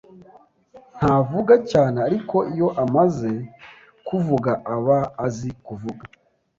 Ntavuga cyane, ariko iyo amaze kuvuga aba azi kuvuga.